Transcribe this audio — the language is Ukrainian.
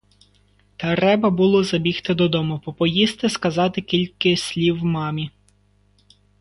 Треба було забігти додому, попоїсти, сказати кільки слів мамі.